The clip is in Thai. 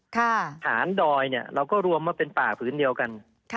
ฐานดอยเนี่ยเราก็รวมมาเป็นป่าผืนเดียวกัน